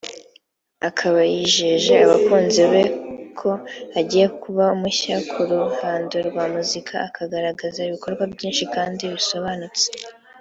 akaba yijeje abakunzi beko agiye kuba mushya ku ruhando rwa muzika akagaragaza ibikorwa byinshi kandi bisobanutse